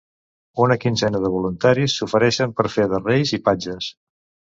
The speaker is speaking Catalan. Una quinzena de voluntaris s'ofereixen per fer de reis i patges.